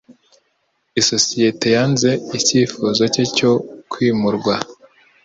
Isosiyete yanze icyifuzo cye cyo kwimurwa.